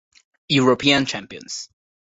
European Champions